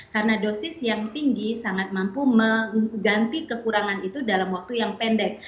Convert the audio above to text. karena dosis yang tinggi sangat mampu mengganti kekurangan itu dalam waktu yang pendek